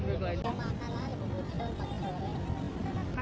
ini janggut hitam ini cantik